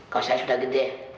kalau saya sudah gede